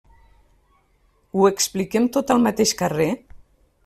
Ho expliquem tot al mateix carrer?